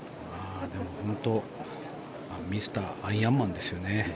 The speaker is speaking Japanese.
でも、本当にミスターアイアンマンですよね。